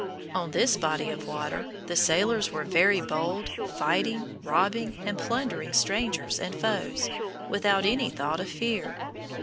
On this body of water the sailors were very bold, fighting, robbing, and plundering strangers and foes, without any thought of fear.